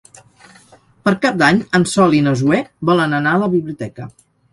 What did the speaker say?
Per Cap d'Any en Sol i na Zoè volen anar a la biblioteca.